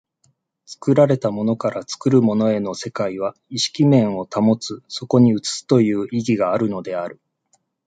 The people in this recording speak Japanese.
作られたものから作るものへの世界は意識面を有つ、そこに映すという意義があるのである。